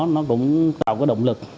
nó cũng tạo có động lực